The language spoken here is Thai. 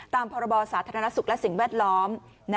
ตามพรบสาธารณสุขและสิ่งแวดล้อม